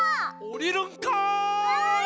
おりるんかい！